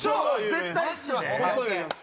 絶対知ってます。